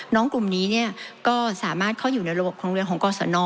กลุ่มนี้ก็สามารถเข้าอยู่ในระบบโรงเรียนของกรสน